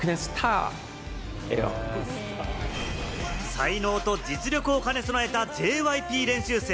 才能と実力を兼ね備えたＪＹＰ練習生。